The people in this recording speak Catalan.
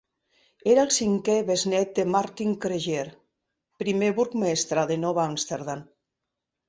Era el cinquè besnet de Martin Cregier, primer burgmestre de Nova Amsterdam.